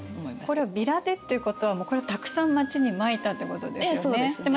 これをビラでっていうことはこれをたくさん町にまいたってことですよね。